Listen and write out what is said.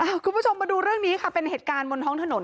คุณผู้ชมมาดูเรื่องนี้ค่ะเป็นเหตุการณ์บนท้องถนน